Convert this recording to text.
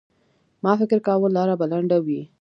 ما فکر کاوه لاره به لنډه وي.